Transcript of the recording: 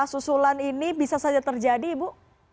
susulan ini bisa saja terjadi ibu